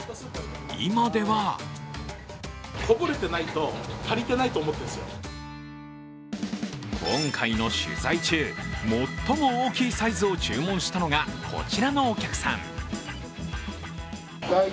今では今回の取材中、最も大きいサイズを注文したのが、こちらのお客さん。